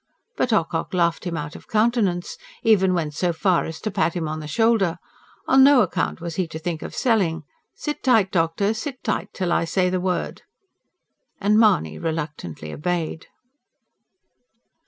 But Ocock laughed him out of countenance even went so far as to pat him on the shoulder. On no account was he to think of selling. "Sit tight, doctor ... sit tight! Till I say the word." And Mahony reluctantly obeyed.